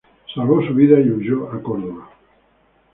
Salvó su vida y huyó a Córdoba.